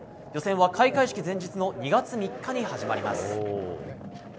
予選は開会式前日の２月３日に始まります。